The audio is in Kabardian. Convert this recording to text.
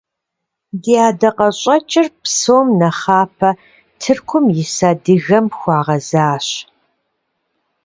Ди ӀэдакъэщӀэкӀыр, псом нэхъапэ, Тыркум ис адыгэм хуэгъэзащ.